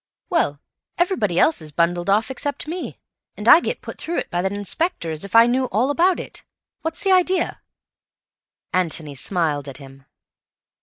"Well, everybody else is bundled off except me, and I get put through it by that inspector as if I knew all about it—what's the idea?" Antony smiled at him.